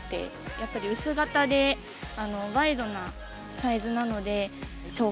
やっぱり薄型でワイドなサイズなので。